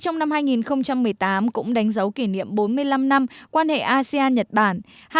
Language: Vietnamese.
năm hai nghìn một mươi tám cũng đánh dấu kỷ niệm bốn mươi năm năm quan hệ asean nhật bản